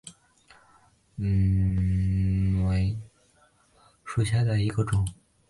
拟螺距翠雀花为毛茛科翠雀属下的一个种。